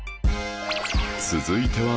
続いては